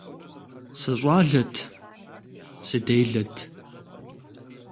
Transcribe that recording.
СыщӀалэт, сыделэт.